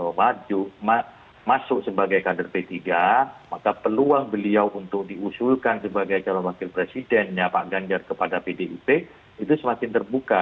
dan kami katakan dengan tahapan tahapan itu maka ketika pak sandiaga uno masuk sebagai kader p tiga maka peluang beliau untuk diusulkan sebagai calon wakil presidennya pak ganjar kepada pdp itu semakin terbuka